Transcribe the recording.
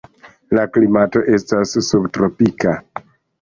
La klimato estas subtropika.